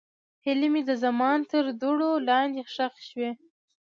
هیلې مې د زمان تر دوړو لاندې ښخې شوې.